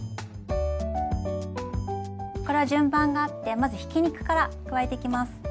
これは順番があってまずひき肉から加えていきます。